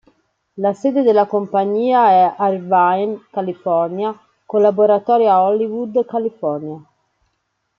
La sede della compagnia è a Irvine, California, con laboratori a Hollywood, California.